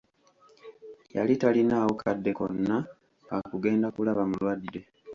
Yali talinaawo kadde konna ka kugenda kulaba mulwadde.